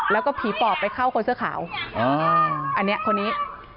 แล้วก็ผีปอบไปเข้าคนเสื้อขาวอันนี้คนนี้